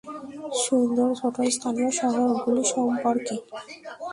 সুন্দর ছোট স্থানীয় শহরগুলি সম্পর্কে।